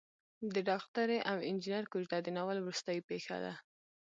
د ډاکټرې او انجنیر کوژده د ناول وروستۍ پېښه ده.